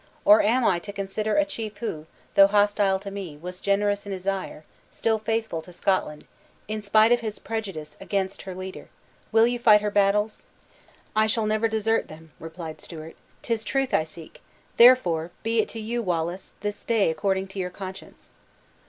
or am I to consider a chief who, though hostile to me, was generous in his ire, still faithful to Scotland, in spite of his prejudice against her leader? Will you fight her battles?" "I shall never desert them," replied Stewart; "'tis truth I seek; therefore be it to you. Wallace, this day according to your conscience!"